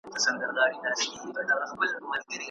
موږ هم باید همدغه لار غوره کړو.